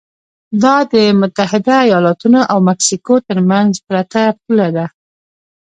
دا د متحده ایالتونو او مکسیکو ترمنځ پرته پوله ده.